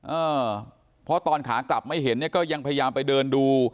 เออเพราะตอนขากลับไม่เห็นเนี่ยก็ยังพยายามไปเดินดู